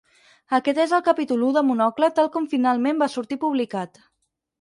Aquest és el capítol u de Monocle tal com finalment va sortir publicat.